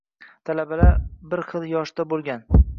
Talabalar bir xil yoshda bo'lgan.